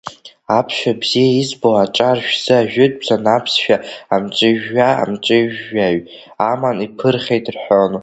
Аԥсшәа бзиа избо аҿар шәзы ажәытәӡан аԥсшәа амҵәыжәҩа амҵәыжәаҩ аман, иԥырхьеит, — рҳәон.